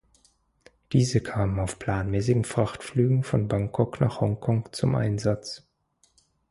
Diese kamen auf planmäßigen Frachtflügen von Bangkok nach Hongkong zum Einsatz.